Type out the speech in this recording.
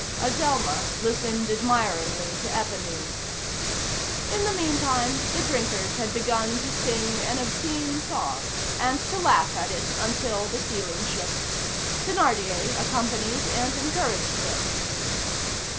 '" Azelma listened admiringly to Éponine. In the meantime, the drinkers had begun to sing an obscene song, and to laugh at it until the ceiling shook. Thénardier accompanied and encouraged them.